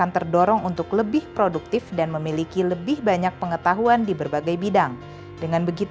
penghargaan yang diraih bi merupakan bukti bahwa pembenahan pengelolaan psbi selama ini telah berjalan dengan baik